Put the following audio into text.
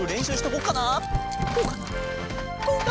こうかな？